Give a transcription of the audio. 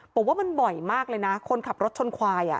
บอกว่ามันบ่อยมากเลยนะคนขับรถชนควาย